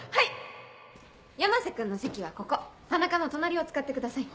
山瀬君の席はここ田中の隣を使ってください。